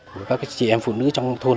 của các chị em phụ nữ trong thôn